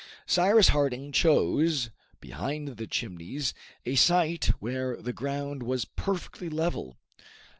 Cyrus Harding chose, behind the Chimneys, a site where the ground was perfectly level.